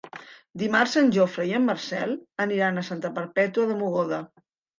Dimarts en Jofre i en Marcel aniran a Santa Perpètua de Mogoda.